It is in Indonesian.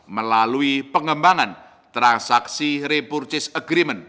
melalui pengembangan transaksi repurchase agreement